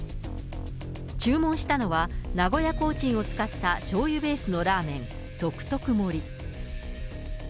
注文したのは、名古屋コーチンを使ったしょうゆベースのラーメン、特特盛。